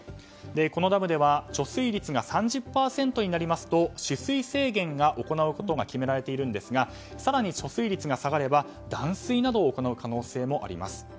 このダムでは貯水率が３０％になりますと取水制限が決められているんですが更に貯水率が下がると断水などを行う可能性もあります。